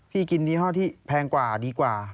กินยี่ห้อที่แพงกว่าดีกว่า